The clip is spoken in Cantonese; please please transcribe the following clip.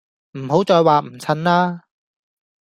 唔好再話唔襯啦